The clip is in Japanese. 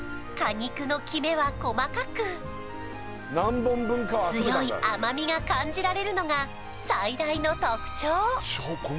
果肉のキメは細かく強い甘みが感じられるのが最大の特徴